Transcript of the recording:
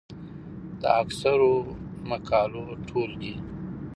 د اکثرو مقالو ټولګې،